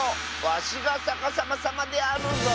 わしがさかさまさまであるぞ。